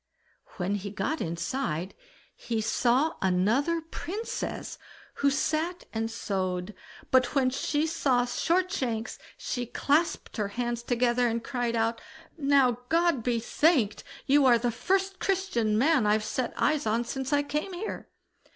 When he got inside, he saw another Princess, who sat and sewed, but when she saw Shortshanks, she clasped her hands together and cried out: "Now, God be thanked! you are the first Christian man I've set eyes on since I came here."